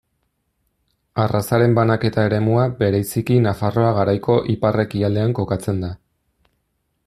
Arrazaren banaketa eremua bereziki Nafarroa Garaiako ipar-ekialdean kokatzen da.